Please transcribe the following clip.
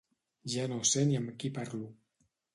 ja no sé ni amb qui parlo.